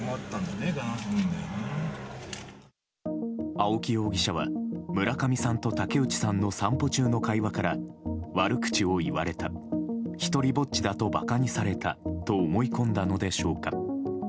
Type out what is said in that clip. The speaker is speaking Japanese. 青木容疑者は、村上さんと竹内さんの散歩中の会話から悪口を言われた独りぼっちだと馬鹿にされたと思い込んだのでしょうか。